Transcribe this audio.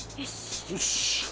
よし。